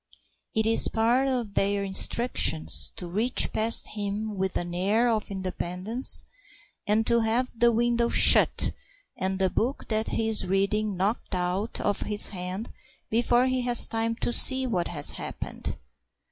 It is part of their instructions to reach past him with an air of independence and to have the window shut and the book that he is reading knocked out of his hand before he has time to see what has happened.